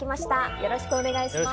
よろしくお願いします。